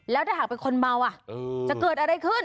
แล้วถ้าหากเป็นคนเมาจะเกิดอะไรขึ้น